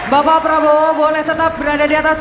bapak prabowo boleh tetap berada di atas